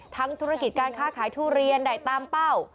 ธุรกิจการค้าขายทุเรียนได้ตามเป้า